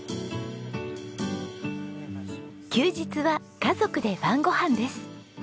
休日は家族で晩ご飯です。